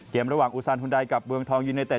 เกมระหว่างอุซานฮุนไดกับเบืองทองยูเนเจต